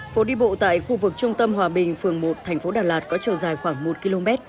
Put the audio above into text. phố đi bộ tại khu vực trung tâm hòa bình phường một thành phố đà lạt có chiều dài khoảng một km